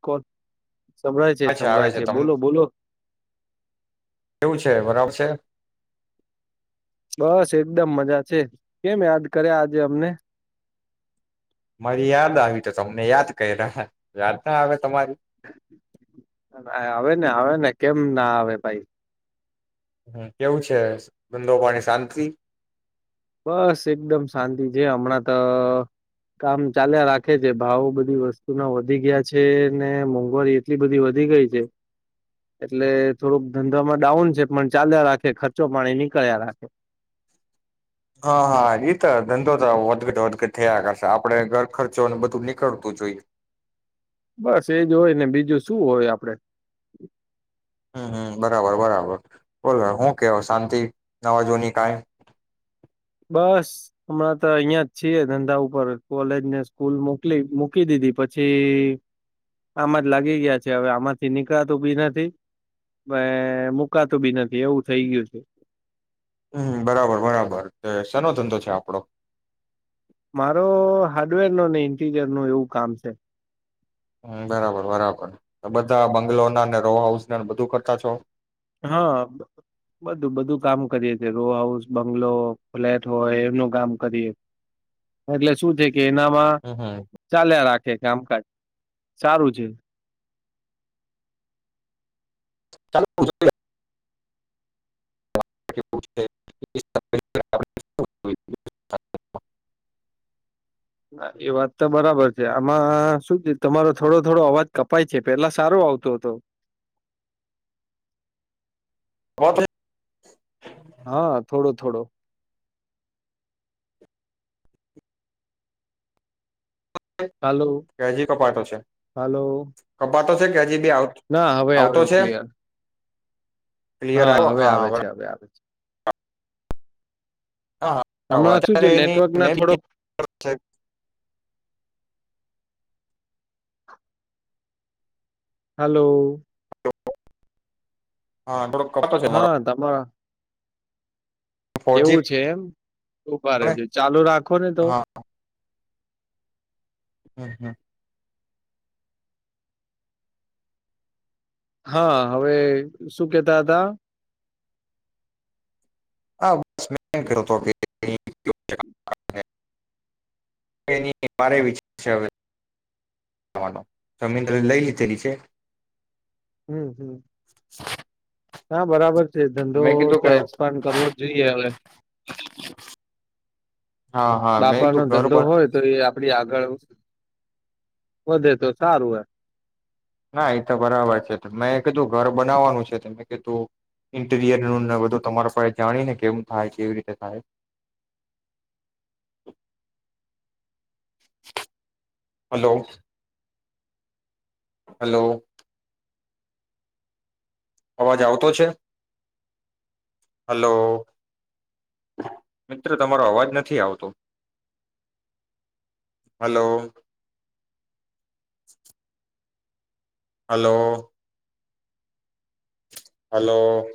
Call. સંભળાય છે અચ્છા આવે સંભળાય છે. તમ બોલો બોલો કેવું છે બરાબર છે? બસ એકદમ મજા છે કેમ યાદ કર્યા આજે અમને? તમારી યાદ આવી તો તમને યાદ કયરા યાદના આવે તમારી. આવે ને આવે ને કેમ ના આવે ભાઈ. હમ, કેવું છે ધંધો પાની શાંતિ? બસ એકદમ શાંતિ છે હમણાં તો કામ ચાલ્યા રાખે છે ભાવ બધી વસ્તુના વધી ગયા છે ને મોંઘવારી એટલી બધી વધી ગઈ છે. એટલે થોડુંક ધંધામાં ડાઉન છે પણ ચાલ્યા રાખે ખર્ચો પાણી નીકળ્યા રાખે. હા હા, તો ધંધો તો વધઘટ વધ થયા કરશે આપડે ઘર ખર્ચોને બધું નીકળતું જોઈએ. બસ એજ હોય ને બીજું શું હોય આપડે. હમ હમ, બરાબર બરાબર બોલો હું કેવ શાંતિ નવાજુની કાંઈ? બસ. હમણાં તો અહિયાં જ છીએ ધંધા ઉપર કોલેજને સ્કૂલ મોકલી મૂકી દીધી પછી આમાં જ લાગી ગયા છે હવે આમાંથી નીકળાતું બી નથી. મે મુકાતું બી નથી એવું થઈ ગયું છે. હમ બરાબર બરાબર સનો ધંધો છે આપડો મારો હાર્ડવેર નો ને ઇન્ટીરિયર નું એવું કામ છે. હમ્મ બરાબર બરાબર બધા બંગ્લોર નાને રો હાઉસ ના બધું કરતા છો હા. બધું બધું કામ કરીએ છે રો હાઉસ બંગલો ફ્લેટ હોય એમનું કામ કરીએ એટલે શું છે કે એનામાં હમ હમ ચાલ્યા રાખે કામકાજ સારું છે. ચાલુ [unintelligible] કે પૂછતે [inaudible] એ વાત તો બરાબર છે આમાં શું છે તમારો થોડો થોડો અવાજ કપાય છે પેલા સારો આવતો હતો. [unintelligible] હા થોડો થોડો હાલો કે હજી કપાતો છે હાલો કપાતો છે કે હજી બી આ ના હવે આવ્યો ક્લિયર ક્લિયર હા આવ્યો હવે આવે છે હવે આવે છે હા હમણાં શું અત્યારે છે એની નેટવર્ક મે ના થોડોક હલો. હા થોડો કપડો છે મારો તમામ ફોરજી એવું છે એમ ઉભા રેજો ચાલુ રાખો ને તો હા હમ્મ હમ્મ. હા હવે શું કેતા હતા. હા બસ મેં એમ કર્યો હતો કે આપને [unintelligible] એની મારે વિચાર છે હવે તમાર તો જમીન બમીન લઈ લીધેલી છે. હમ્મ હમ્મ. હા બરાબર છે ધંધો મેં કીધું તો કે એક્સપાન્ડ કરવો જ જોઈએ હવે હા હા મેં બાપા નો કીધું ઘર ધંધો બન હોય તો એ આપડી આગળ વધે તો સારું એમ ના એ તો બરાબર છે મેં કીધું ઘર બનાવવાનું છે ત મે કીધું તો ઇન્ટીરિયર નું ને બધું તમારા પાસે જાણીને કેમ થાય કેવી રીતે થાય હલો હલો. અવાજ આવતો છે હલો. મિત્રો તમારો અવાજ નથી આવતો હલો. હલો. હલો.